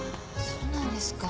そうなんですか。